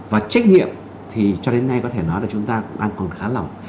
và trách nhiệm thì cho đến nay có thể nói là chúng ta cũng đang còn khá lỏng